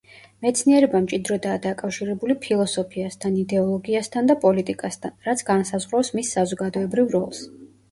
მეცნიერება მჭიდროდაა დაკავშირებული ფილოსოფიასთან, იდეოლოგიასთან და პოლიტიკასთან, რაც განსაზღვრავს მის საზოგადოებრივ როლს.